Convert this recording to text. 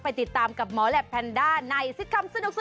ไปติดตามกับหมอและแพนด้าในสิทธิ์คำสนุกเลยค่ะ